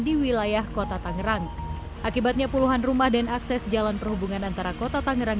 di wilayah kota tangerang akibatnya puluhan rumah dan akses jalan perhubungan antara kota tangerang